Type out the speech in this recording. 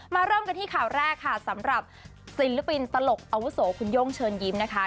เริ่มกันที่ข่าวแรกค่ะสำหรับศิลปินตลกอาวุโสคุณโย่งเชิญยิ้มนะคะ